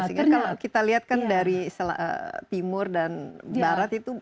sehingga kalau kita lihat kan dari timur dan barat itu